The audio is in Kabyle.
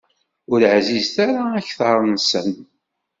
Ur ɛzizit ara akteṛ-nsen?